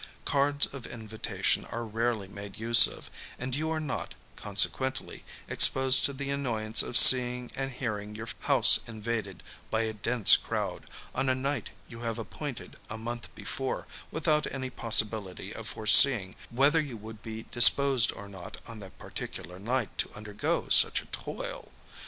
Cards of invitation are rarely made use of; and you are not, consequently, exposed to the annoyance of seeing and hearing your house invaded by a dense crowd, on a night you have appointed a month before, without any possibility of foreseeing whether you would be disposed or not on that particular night to undergo such a toil.